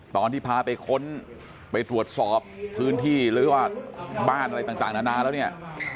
ตอนที่พาไปค้นไปตรวจสอบพื้นที่หรือว่าบ้านอะไรต่างนานาแล้วเนี่ย